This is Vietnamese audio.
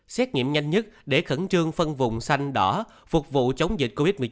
xét nghiệm nhanh nhất để khẩn trương phân vùng xanh đỏ phục vụ chống dịch covid một mươi chín